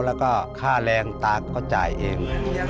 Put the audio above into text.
แล้วก็ค่าแรงตาก็จ่ายเอง